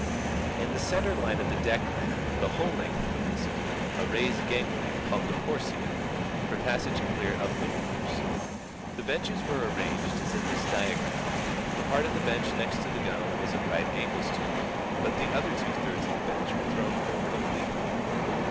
In the centre line of the deck ran, the whole length of the vessel, a raised gangway called the corsia, for passage clear of the oars. The benches were arranged as in this diagram. The part of the bench next the gunnel was at right angles to it, but the other two thirds of the bench were thrown forward obliquely.